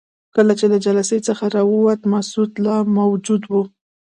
کله چې له جلسې څخه راووتو مسعود لا موجود وو.